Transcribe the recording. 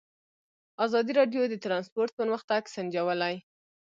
ازادي راډیو د ترانسپورټ پرمختګ سنجولی.